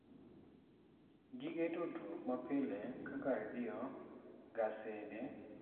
Gige tudruok mapile kaka redio, gasede,